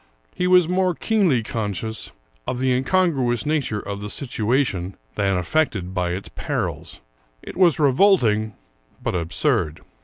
He was more keenly conscious of the incongruous nature of the situation than affected by its perils ; it was revolting, but absurd.